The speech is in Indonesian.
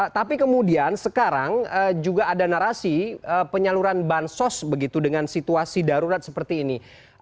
tapi kemudian sekarang juga ada narasi penyaluran bansos begitu dengan situasi darurat seperti ini